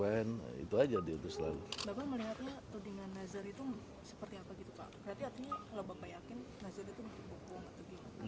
bapak melihatnya tudingan nazari itu seperti apa gitu pak berarti artinya kalau bapak yakin nazari itu bukan buku buku atau gini